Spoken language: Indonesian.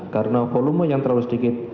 karena volume yang terlalu sedikit